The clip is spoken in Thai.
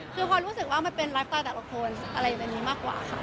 คือพอรู้สึกว่ามันเป็นไลฟ์ตาแต่ละคนอะไรอยู่แบบนี้มากกว่าค่ะ